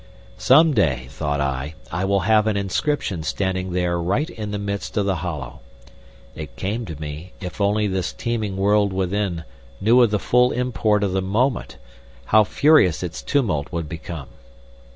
Some day, thought I, I will have an inscription standing there right in the midst of the hollow. It came to me, if only this teeming world within knew of the full import of the moment, how furious its tumult would become!